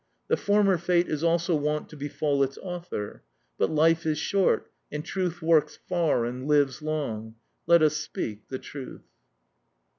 The former fate is also wont to befall its author. But life is short, and truth works far and lives long: let us speak the truth.